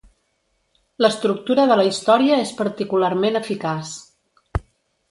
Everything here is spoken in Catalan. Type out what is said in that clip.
L'estructura de la història és particularment eficaç.